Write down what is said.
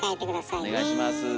お願いします。